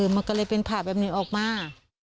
มันก็เลยเป็นผ่าแบบนี้ออกมา